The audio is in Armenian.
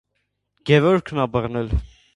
Գևորգն ա բռնել: